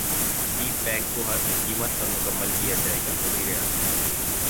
سی pack کو ہر قیمت پر مکمل کیا جائے گا وزیراعظم